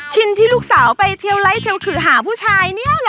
ชินที่ลูกสาวไปเทียวไล่เทียวขุหาผู้ชายเนี่ยเหรอ